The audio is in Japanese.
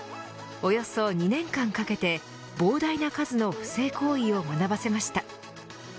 およそ２年間かけて膨大な数の不正行為を学ばせました。